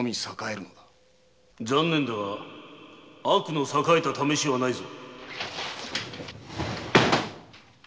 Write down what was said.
・残念だが悪の栄えたためしはないぞ！